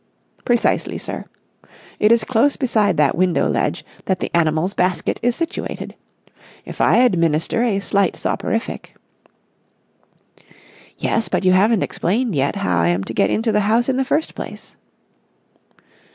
"Precisely, sir. It is close beside that window ledge that the animal's basket is situated. If I administer a slight soporific...." "Yes, but you haven't explained yet how I am to get into the house in the first place."